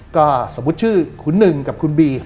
ก็สมมุติชื่อคุณหนึ่งกับคุณบี